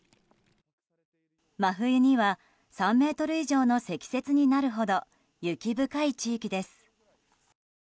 真冬には３ｍ以上の積雪になるほど雪深い地域です。